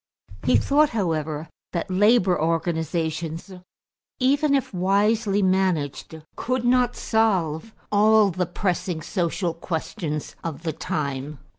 He thought, however, that labor organizations, even if wisely managed, could not solve all the pressing social questions of the time.